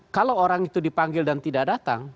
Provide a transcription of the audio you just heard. kalau orang itu dipanggil dan tidak datang